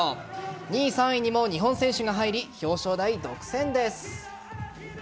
２位、３位にも日本選手が入り表彰台独占です。